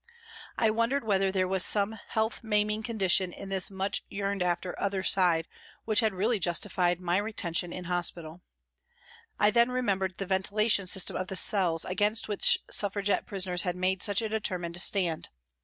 I wondered whether there was some health maiming condition in this much yearned after " other side " which had really justified my retention in hospital. I then remembered the ventilation system of the cells against which Suffragette prisoners had made such a determined stand.